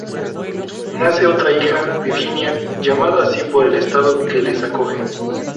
Nace otra hija, Virginia, llamada así por el Estado que les acoge.